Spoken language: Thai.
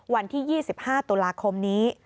วันที่๒๕ตุลาคมนี้